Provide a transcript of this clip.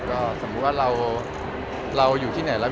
ก็สมมุติว่าเราอยู่ที่ไหนแล้ว